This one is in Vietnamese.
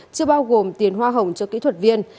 chưa bao gồm tiền hoa hồng cho kỹ thuật viên